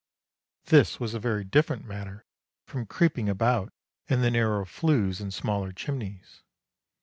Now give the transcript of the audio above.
' this was a very different matter from creeping about in the narrow flues and smaller chimneys.